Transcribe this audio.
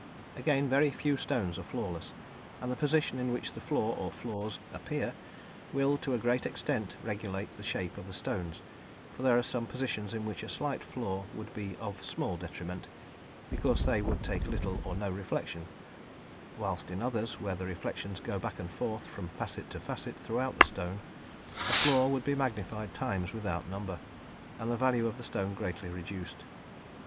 Again, very few stones are flawless, and the position in which the flaw or flaws appear will, to a great extent, regulate the shape of the stones, for there are some positions in which a slight flaw would be of small detriment, because they would take little or no reflection, whilst in others, where the reflections go back and forth from facet to facet throughout the stone, a flaw would be magnified times without number, and the value of the stone greatly reduced.